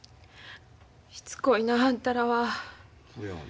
ひつこいなあんたらは。